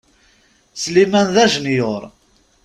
Sliman d ajenyur.